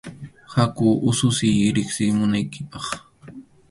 Haku ususiy riqsimunaykipaq.